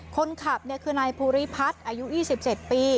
คนขับคือนายภูริพัฒน์อายุ๒๗ปี